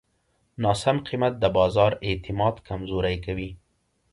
ناسم قیمت د بازار اعتماد کمزوری کوي.